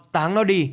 táng nó đi